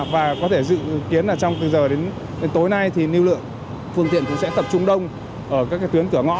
và có thể dự kiến là trong từ giờ đến tối nay thì lưu lượng phương tiện cũng sẽ tập trung đông ở các tuyến cửa ngõ